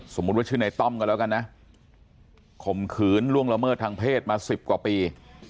ว่าชื่อในต้อมกันแล้วกันนะข่มขืนล่วงละเมิดทางเพศมา๑๐กว่าปี